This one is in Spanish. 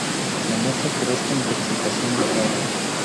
La muerte por esta intoxicación es rara.